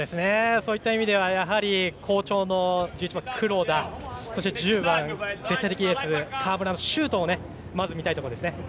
そういった意味では好調の１１番、黒田そして１０番絶対的エース川村のシュートをまず見たいところですね。